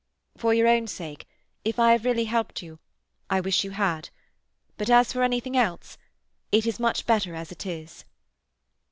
"For your own sake, if I have really helped you, I wish you had. But as for anything else—it is much better as it is."